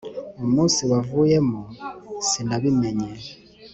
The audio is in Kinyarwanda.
umunsi wavuyemo sinabimenye